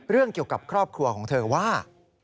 เกี่ยวกับครอบครัวของเธอว่า